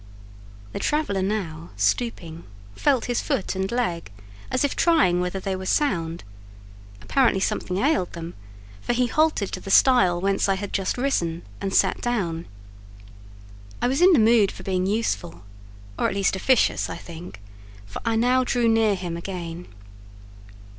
The traveller now, stooping, felt his foot and leg, as if trying whether they were sound; apparently something ailed them, for he halted to the stile whence I had just risen, and sat down. I was in the mood for being useful, or at least officious, I think, for I now drew near him again.